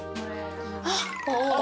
あっ。